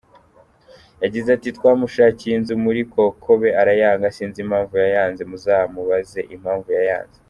Yagize ati“Twamushakiye inzu muri Kokobe arayanga sinzi impamvu yayanze ,muzamubaze impamvu yayanze.